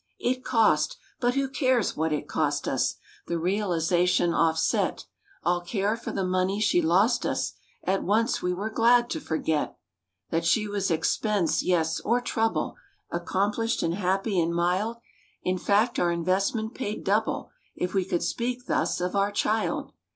It cost—but who cares what it cost us! The realization offset All care for the money she lost us: At once we were glad to forget That she was expense, yes, or trouble— Accomplished and happy and mild! In fact our investment paid double— If we could speak thus of our child.